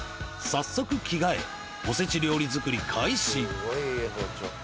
早速着替えおせち料理作り開始